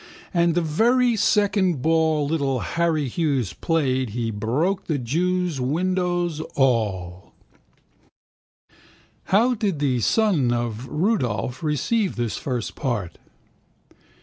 And the very second ball little Harry Hughes played He broke the jew's windows all. How did the son of Rudolph receive this first part?